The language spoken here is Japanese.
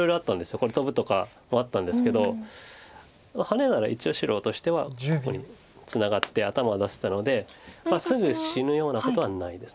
これトブとかもあったんですけどハネなら一応白としてはここにツナがって頭を出せたのですぐ死ぬようなことはないです。